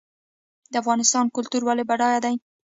د افغانستان کلتور ولې بډای دی؟